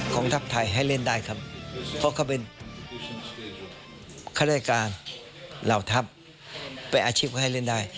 ทัพไทยให้เล่นได้ครับเพราะเขาเป็นข้าราชการเหล่าทัพไปอาชีพเขาให้เล่นได้